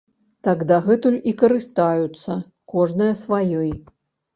Так дагэтуль і карыстаюцца кожная сваёй.